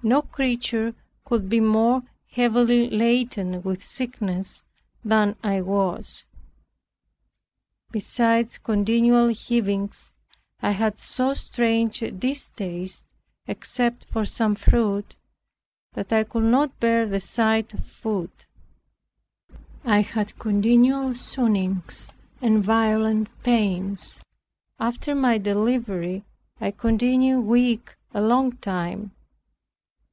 No creature could be more heavily laden with sickness than I was. Beside continual heavings, I had so strange a distaste, except for some fruit, that I could not bear the sight of food. I had continual swoonings and violent pains. After my delivery I continued weak a long time.